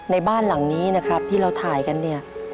ในบ้านหลังนี้นะครับที่เราถ่ายกันเนี่ย